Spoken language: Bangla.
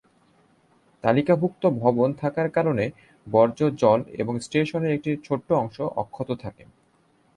তালিকাভুক্ত ভবন থাকার কারণে বর্জ্য জল এবং স্টেশনের একটি ছোট্ট অংশ অক্ষত থাকে।